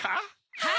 はい！